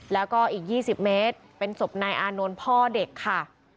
แล้วก็อีก๒๐เมตรเป็นศพนายอานนท์พ่อเด็กค่ะ